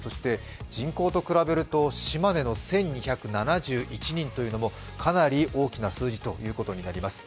人口と比べると島根の１２７１人というのもかなり大きな数字ということになります。